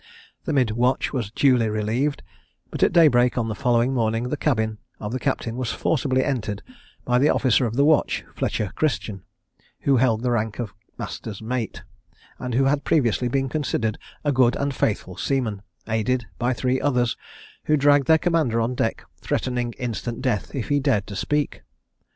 The mid watch was duly relieved; but at daybreak on the following morning the cabin of the captain was forcibly entered by the officer of the watch, Fletcher Christian, who held the rank of master's mate, and who had previously been considered a good and faithful seaman, aided by three others, who dragged their commander on deck, threatening instant death if he dared to speak.